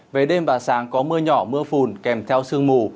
về đêm và sáng có mưa nhỏ mưa phùn kèm theo sương mù